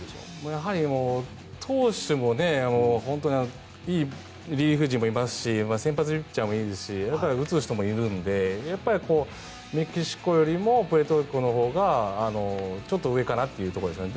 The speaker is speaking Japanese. やはり投手も、本当にいいリリーフ陣もいますし先発ピッチャーもいいですし打つ人もいるのでやっぱりメキシコよりもプエルトリコのほうがちょっと上かなというところですよね。